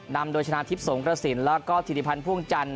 นำโดยชนะทิพย์สงกระสินแล้วก็ถิติพันธ์พ่วงจันท